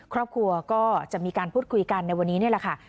ครอบครัวก็จะมีการพูดคุยกันในวันนี้นี่แหละค่ะ